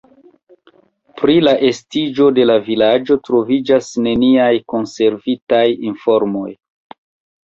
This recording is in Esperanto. Pri la estiĝo de vilaĝo troviĝas neniaj konservitaj informoj.